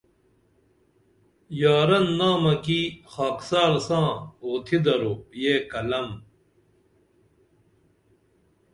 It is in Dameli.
یاران نامہ کی خاکسار ساں اُوتھی درو یہ کلم